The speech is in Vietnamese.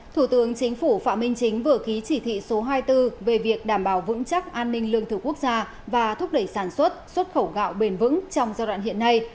thủ tướng chính phủ phạm minh chính vừa ký chỉ thị số hai mươi bốn về việc đảm bảo vững chắc an ninh lương thực quốc gia và thúc đẩy sản xuất xuất khẩu gạo bền vững trong giai đoạn hiện nay